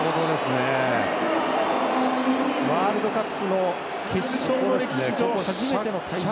ワールドカップの決勝の歴史上初めての退場です。